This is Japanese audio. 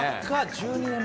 １２年前」